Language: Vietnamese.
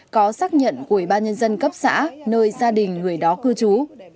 có xác nhận của ủy ban nhân dân cấp xã nơi gia đình người đó cư trú